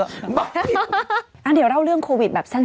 เดี๋ยวเล่าเรื่องโควิดแบบสั้น